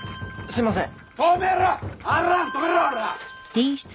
すいません。